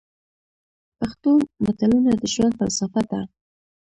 پښتو متلونه د ژوند فلسفه ده.